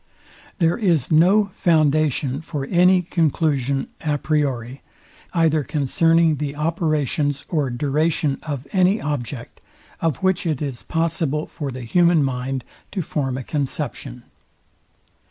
There is no foundation for any conclusion a priori, either concerning the operations or duration of any object, of which it is possible for the human mind to form a conception.